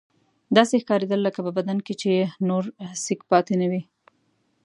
داسې ښکارېدل لکه په بدن کې چې یې نور سېک پاتې نه وي.